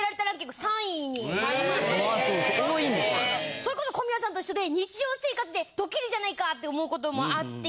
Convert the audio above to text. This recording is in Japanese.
それこそ小宮さんと一緒で日常生活でドッキリじゃないかって思う事もあって